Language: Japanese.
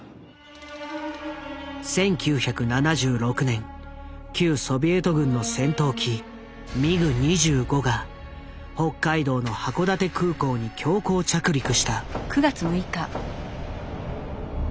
１９７６年旧ソビエト軍の戦闘機ミグ２５が北海道の函館空港に強行着陸した。